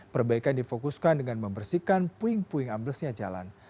perbaikan difokuskan dengan membersihkan puing puing amblesnya jalan